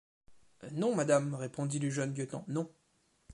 Non, madame, répondit le jeune lieutenant, non.